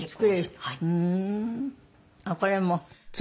あっこれも。